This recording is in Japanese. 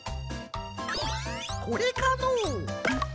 これかのう？